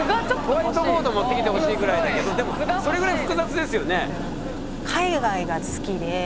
ホワイトボード持ってきてほしいぐらいだけどそれぐらい複雑ですよね。